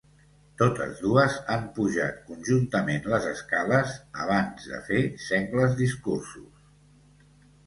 Totes dues han pujat conjuntament les escales abans de fer sengles discursos.